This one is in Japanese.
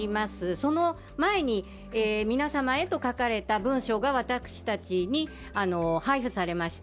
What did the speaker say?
その前に皆さまへと書かれた文書が私たちに配布されました。